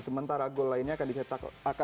sementara gol lainnya akan dicetak